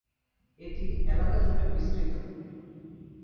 এটি এলাকা জুড়ে বিস্তৃত।